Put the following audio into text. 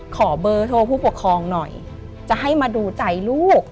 ขอเบอร์โทรผู้ปกครองหน่อยจะให้มาดูใจลูก